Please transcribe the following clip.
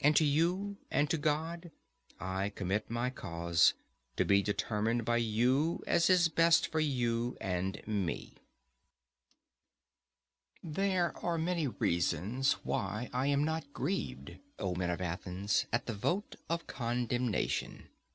And to you and to God I commit my cause, to be determined by you as is best for you and me. There are many reasons why I am not grieved, O men of Athens, at the vote of condemnation.